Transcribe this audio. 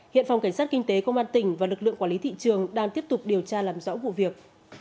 hiện phòng cảnh sát kinh tế công an tỉnh và lực lượng quản lý thị trường đang tiếp tục điều tra làm rõ vụ việc